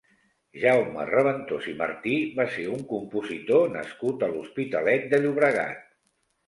Jaume Reventós i Martí va ser un compositor nascut a l'Hospitalet de Llobregat.